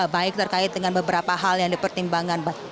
baik terkait dengan beberapa hal yang dipertimbangkan